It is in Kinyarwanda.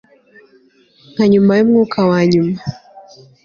Nka nyuma yumwuka wanyuma